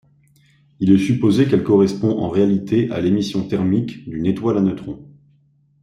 Il est supposé qu'elle correspond en réalité à l'émission thermique d'une étoile à neutrons.